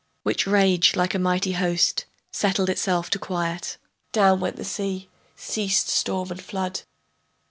Which raged like a mighty host, settled itself to quiet. Down went the sea, ceased storm and flood.